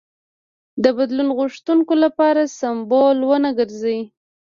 د بدلون غوښتونکو لپاره سمبول ونه ګرځي.